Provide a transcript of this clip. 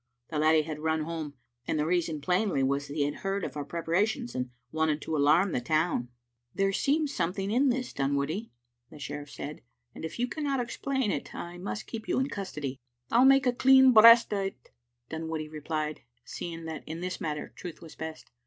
The laddie had run home, and the reason plainly was that he had heard of our preparations and wanted to alarm the town." Digitized by VjOOQ IC 08 tCbe xmie Ainfatet. "There seems something in this, Dtmwoodie," the sheriff said, " and if you cannot explain it I must keep you in custody." "I'll make a clean breast o't," Dunwoodie replied, seeing that in this matter truth was best.